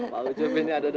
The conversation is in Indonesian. pak ucup ini ada dekat